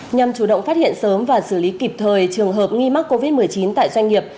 nhằm chủ động phát hiện sớm và xử lý kịp thời trường hợp nghi mắc covid một mươi chín tại doanh nghiệp